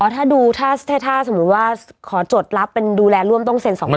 ถ้าดูถ้าสมมุติว่าขอจดรับเป็นดูแลร่วมต้องเซ็น๒๐๐